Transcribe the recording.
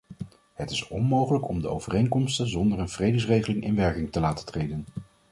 Het is onmogelijk om de overeenkomsten zonder een vredesregeling in werking te laten treden.